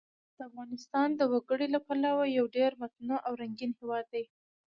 افغانستان د وګړي له پلوه یو ډېر متنوع او رنګین هېواد دی.